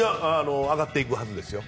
上がっていくはずですよ。